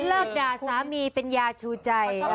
ด่าสามีเป็นยาชูใจ